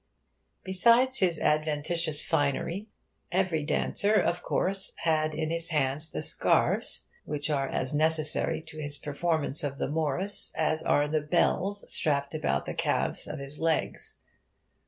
Besides his adventitious finery, every dancer, of course, had in his hands the scarves which are as necessary to his performance of the Morris as are the bells strapped about the calves of his legs.